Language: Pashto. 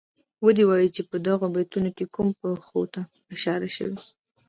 ودې وايي چه په دغو بیتونو کې کومو پېښو ته اشاره شوې.